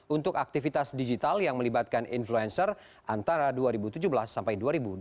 untuk aktivitas digital yang melibatkan influencer antara dua ribu tujuh belas sampai dua ribu dua puluh